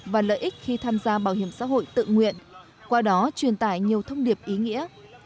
và lợi ích khi tham gia bảo hiểm xã hội tự nguyện qua đó truyền tải nhiều thông điệp ý nghĩa